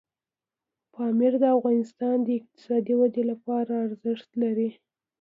پامیر د افغانستان د اقتصادي ودې لپاره ارزښت لري.